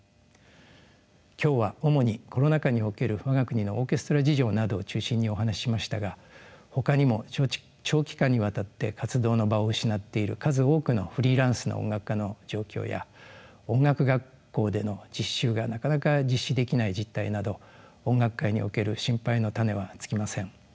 今日は主にコロナ禍における我が国のオーケストラ事情などを中心にお話ししましたがほかにも長期間にわたって活動の場を失っている数多くのフリーランスの音楽家の状況や音楽学校での実習がなかなか実施できない実態など音楽界における心配の種は尽きません。